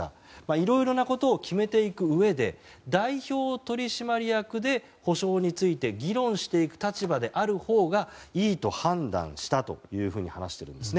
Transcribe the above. いろいろなことを決めていくうえで代表取締役で補償について議論していく立場であるほうがいいと判断したというふうに話しています。